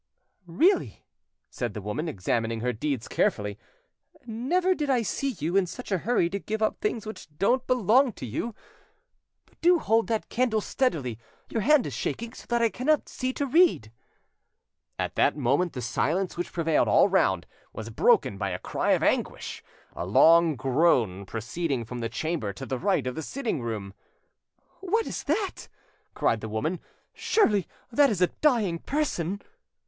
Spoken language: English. "Really," said the woman, examining her deeds carefully, "never yet did I see you in such a hurry to give up things which don't belong to you. But do hold that candle steadily; your hand is shaking so that I cannot see to read." At that moment the silence which prevailed all round was broken by a cry of anguish, a long groan proceeding from the chamber to the right of the sitting room. "What is that?" cried the woman. "Surely it is a dying person!"